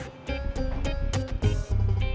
alhamdulillah apa kak ubed